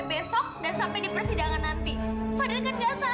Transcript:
pokoknya mulai besok dan sampai di persidangan nanti